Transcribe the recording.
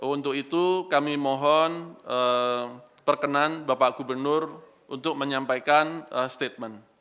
untuk itu kami mohon perkenan bapak gubernur untuk menyampaikan statement